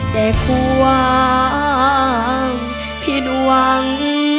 แต่ความผิดหวัง